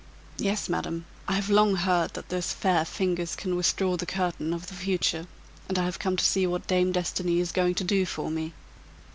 "Yes, madam, I have long heard that those fair fingers can withdraw the curtain of the future, and I have come to see what Dame Destiny is going to do for me."